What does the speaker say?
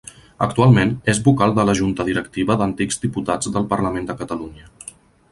Actualment és vocal de la Junta Directiva d'Antics Diputats del Parlament de Catalunya.